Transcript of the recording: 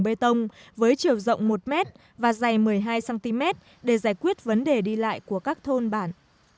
đường bê tông với chiều rộng một m và dày một mươi hai cm để giải quyết vấn đề đi lại của các thôn bản